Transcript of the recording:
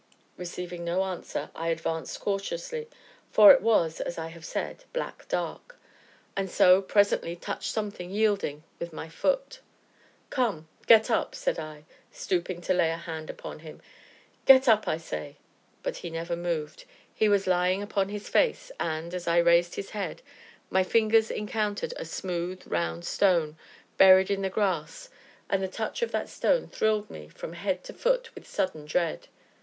Receiving no answer, I advanced cautiously (for it was, as I have said, black dark), and so, presently, touched something yielding with my foot. "Come get up!" said I, stooping to lay a hand upon him, "get up, I say." But he never moved; he was lying upon his face, and, as I raised his head, my fingers encountered a smooth, round stone, buried in the grass, and the touch of that stone thrilled me from head to foot with sudden dread.